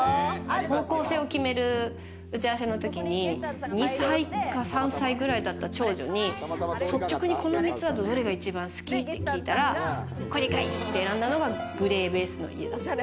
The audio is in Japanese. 方向性を決める打ち合わせのときに、２歳か３歳くらいだった長女に率直にこの３つだと、どれが一番好き？って聞いたら、これがいいって選んだのがグレーベースの家だった。